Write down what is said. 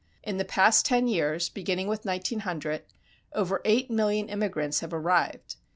In the past ten years, beginning with 1900, over eight million immigrants have arrived.